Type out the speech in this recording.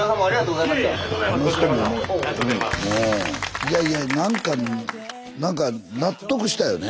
いやいやなんか納得したよね。